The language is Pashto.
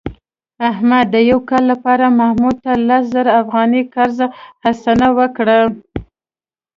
احمد د یو کال لپاره محمود ته لس زره افغانۍ قرض حسنه ورکړه.